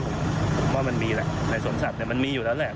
ผมว่ามันมีแหละในสวนสัตว์มันมีอยู่แล้วแหละ